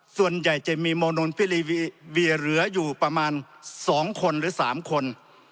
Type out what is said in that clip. ส่วนใหญ่จะมีโมนนพิรีเบียร์เหลืออยู่ประมาณ๒คนหรือ๓คน